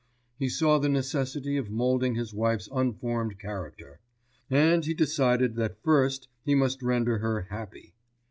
He saw the necessity of moulding his wife's unformed character; and he decided that first he must render her happy.